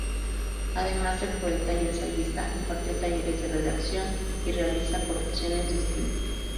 Además de poeta y ensayista, impartió talleres de redacción y realiza correcciones de estilo.